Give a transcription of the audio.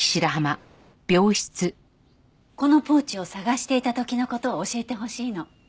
このポーチを捜していた時の事を教えてほしいの。